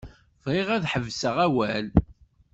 Bɣiɣ ad tḥebsed awal.